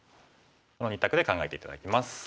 この２択で考えて頂きます。